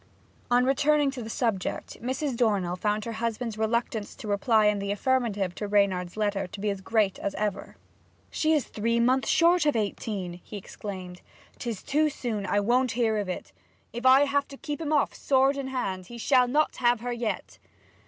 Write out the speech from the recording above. On returning to the subject, Mrs. Dornell found her husband's reluctance to reply in the affirmative to Reynard's letter to be as great as ever. 'She is three months short of eighteen!' he exclaimed. ''Tis too soon. I won't hear of it! If I have to keep him off sword in hand, he shall not have her yet.'